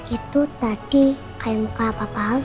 itu tadi kayak muka apa apa